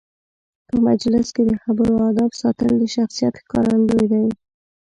په مجلس کې د خبرو آدب ساتل د شخصیت ښکارندوی دی.